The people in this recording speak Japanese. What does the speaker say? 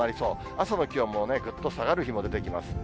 朝の気温もぐっと下がる日も出てきます。